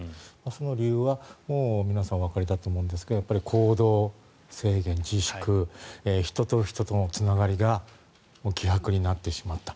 その理由はもう皆さんおわかりだと思うんですが行動制限、自粛人と人とのつながりが希薄になってしまった。